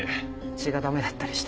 血が駄目だったりして。